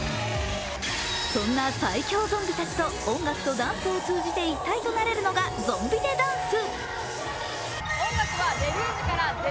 そんな最恐ゾンビたちと音楽とダンスを通じて一体となれるのが「ゾンビ・デ・ダンス」。